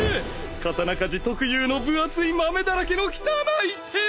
刀鍛冶特有の分厚いマメだらけの汚い手を！